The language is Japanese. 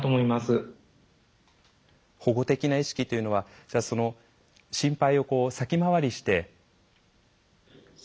保護的な意識というのは心配を先回りして。